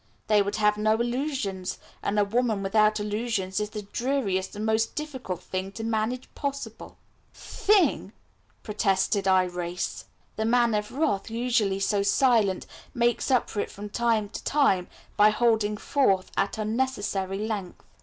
They would have no illusions, and a woman without illusions is the dreariest and most difficult thing to manage possible." "Thing?" protested Irais. The Man of Wrath, usually so silent, makes up for it from time to time by holding forth at unnecessary length.